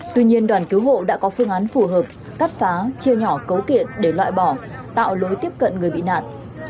tuy nhiên đoàn cứu hộ đã có phương án phù hợp cắt phá chia nhỏ cấu kiện để loại bỏ tạo lối tiếp cận người bị nạn